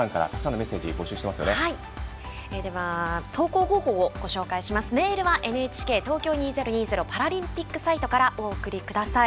メールはＮＨＫ東京２０２０パラリンピックサイトからお送りください。